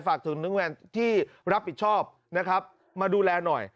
ฝากถึงนักเรียนที่รับผิดชอบนะครับมาดูแลหน่อย